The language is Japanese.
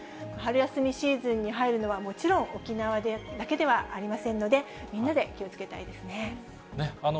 春休みシーズンに入るのは、もちろん、沖縄だけではありませんので、みんなで気をつけたいですね。